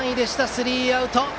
スリーアウト。